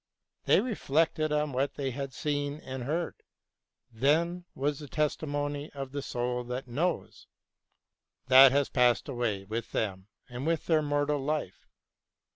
They reflected on what they had seen and heard — ^then was the testimony of the soul that knows. That has passed away with them and with their mortal life.